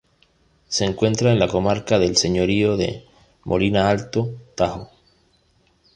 Se encuentra en la comarca del Señorío de Molina-Alto Tajo.